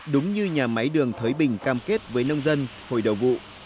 đúng như nhà máy đường thới bình cam kết với nông dân hồi đầu vụ